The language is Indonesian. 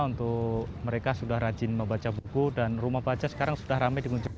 untuk mereka sudah rajin membaca buku dan rumah baca sekarang sudah ramai dikunjungi